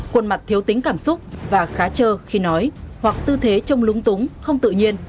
khuôn mặt thiếu tính cảm xúc và khá trơ khi nói hoặc tư thế trông lúng túng không tự nhiên